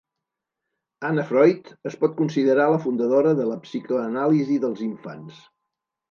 Anna Freud es pot considerar la fundadora de la psicoanàlisi dels infants.